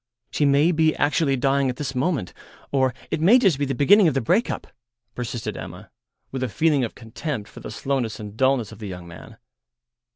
"She may be actually dying at this moment, or it may just be the beginning of the break up," persisted Emma, with a feeling of contempt for the slowness and dulness of the young man.